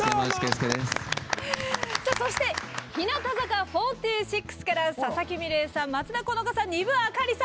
そして、日向坂４６から佐々木美玲さん、松田好花さん丹生明里さん